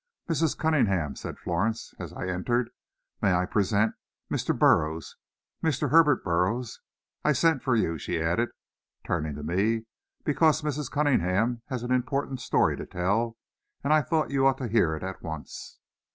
"Mrs. Cunningham," said Florence, as I entered, "may I present Mr. Burroughs Mr. Herbert Burroughs. I sent for you," she added, turning to me, "because Mrs. Cunningham has an important story to tell, and I thought you ought to hear it at once."